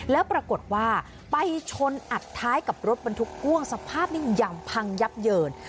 แล้วปรากฏว่าไปชนอัดท้ายกับรถบรรทุกพ่วงสภาพนิ่งหย่ำพังยับเยิน